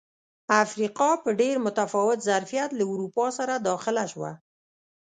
افریقا په ډېر متفاوت ظرفیت له اروپا سره داخله شوه.